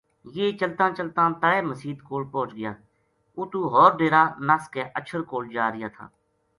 یہ چلتاں چلتاں تلے مسیت کول پوہچ گیا اُتوں ہور ڈیرا نَس کے اَچھر کول جا رہیا تھا